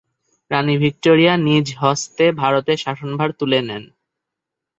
রাণী Victoria নিজ হস্তে ভারতের শাসনভার তুলে নেন।